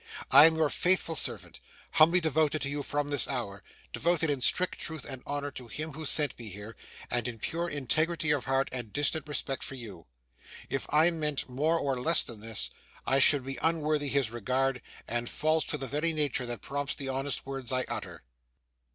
I am your faithful servant, humbly devoted to you from this hour, devoted in strict truth and honour to him who sent me here, and in pure integrity of heart, and distant respect for you. If I meant more or less than this, I should be unworthy his regard, and false to the very nature that prompts the honest words I utter.